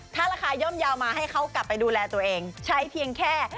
ผลักให้เขาไปดูแลตัวเองล่ะ